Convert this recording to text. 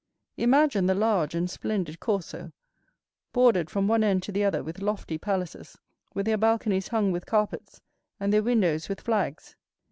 Imagine the large and splendid Corso, bordered from one end to the other with lofty palaces, with their balconies hung with carpets, and their windows with flags.